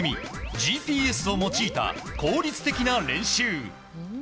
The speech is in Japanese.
ＧＰＳを用いた効率的な練習。